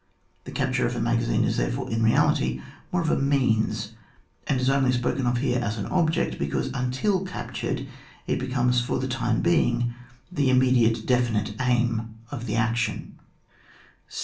The capture of a magazine is therefore in reality more a means, and is only spoken of here as an object, because, until captured, it becomes, for the time being, Uie immediate definite aim of action.